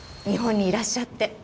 日本にいらっしゃって。